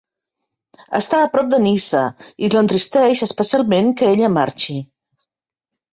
Està a prop de Nyssa i l'entristeix especialment que ella marxi.